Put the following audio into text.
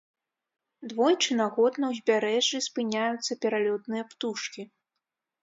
Двойчы на год на ўзбярэжжы спыняюцца пералётныя птушкі.